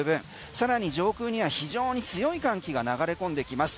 さらに上空には非常に強い寒気が流れ込んできます。